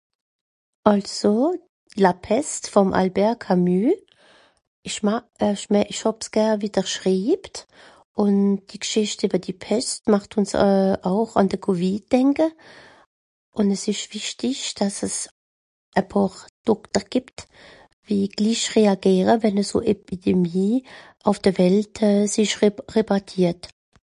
also la peste vom Albert Camus esch mag esch hàbs gern wie der schribt un die G'schìscht ewer die pest macht uns auch àn de Covid denke un a s'esch wichtig dass es a pàar doktor gìbt wie glich reageere wenn a so ... ùff de Welt s'esch repartiert